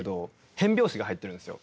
変拍子が入ってるんですよ。